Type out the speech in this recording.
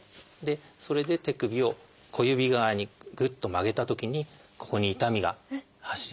それで手首を小指側にグッと曲げたときにここに痛みが発します。